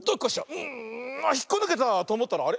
うん。あっひっこぬけた！とおもったらあれ？